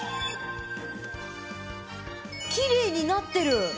「きれい」になってる！